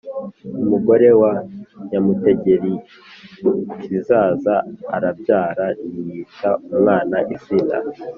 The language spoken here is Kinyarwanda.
umugore wa Nyamutegerikizaza arabyara, ntiyita umwana izina